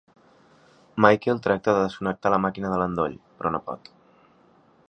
Michael tracta de desconnectar la màquina de l'endoll, però no pot.